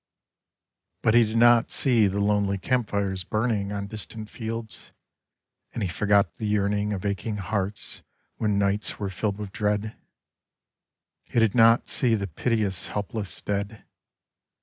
But he did not see the lonely campfires burning On distant fields ; and he forgot the yearning Of aching hearts when nights were filled with dread ; He did not see the piteous, helpless dead.